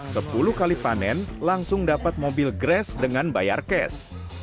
sepuluh kali panen langsung dapat mobil grash dengan bayar cash